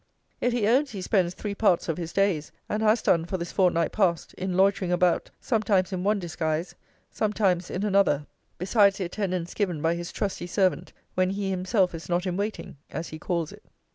Yet he owns he spends three parts of his days, and has done for this fortnight past, in loitering about sometimes in one disguise, sometimes in another, besides the attendance given by his trusty servant when he himself is not in waiting, as he calls it.